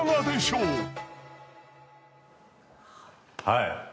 はい。